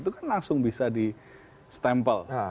itu kan langsung bisa di stempel